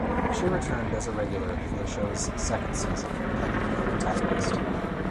She returned as a regular for the show's second season, playing the main antagonist.